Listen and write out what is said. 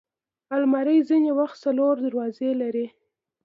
الماري ځینې وخت څلور دروازې لري